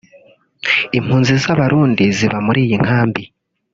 Impunzi z’Abarundi ziba muri iyi nkambi